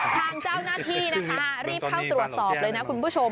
ทางเจ้าหน้าที่นะคะรีบเข้าตรวจสอบเลยนะคุณผู้ชม